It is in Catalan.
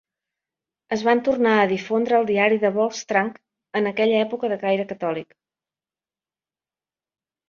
Es van tornar a difondre al diari "de Volkskrant", en aquella època de caire catòlic.